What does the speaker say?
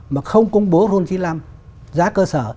mà không công bố ron chín mươi năm giá cơ sở